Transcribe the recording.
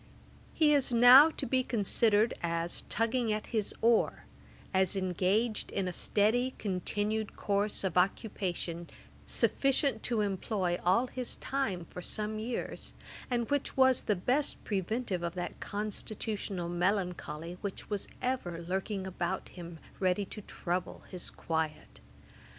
Ætat 39.] He is now to be considered as 'tugging at his oar,' as engaged in a steady continued course of occupation, sufficient to employ all his time for some years; and which was the best preventive of that constitutional melancholy which was ever lurking about him, ready to trouble his quiet.